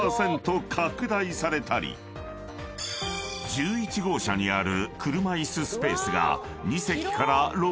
［１１号車にある］